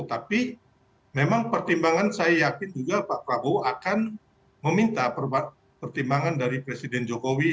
tapi memang pertimbangan saya yakin juga pak prabowo akan meminta pertimbangan dari presiden jokowi